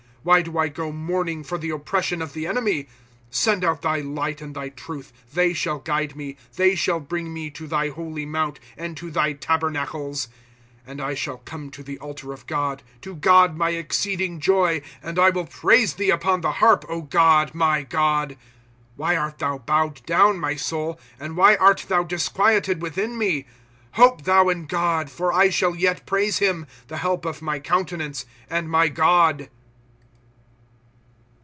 Why do I go mourning for the oppression of the enemy ?* Send out thy light and thy truth ; They shall guide me ; They shall bring me to thy holy mount, And to thy tabernacles. * And I shall come to the altar of God, To God, my exceeding joy ; And I will praise thee upon the harp, God, my God. ^ Why art thou bowed down, my soul. And why art thou disquieted within me ? Hope thou in God ; for I shall yet praise him. The help of my countenance and my God.